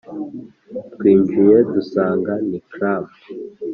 twinjiye dusanga ni 'club'.”